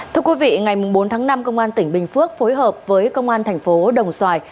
thưa quý vị ngày bốn tháng năm công an tỉnh bình phước phối hợp với công an thành phố đồng xoài